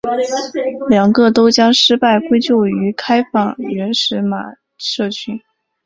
两个都将失败归咎于开放原始码社群。